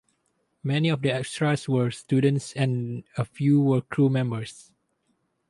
Many of the extras were students and a few were crew members.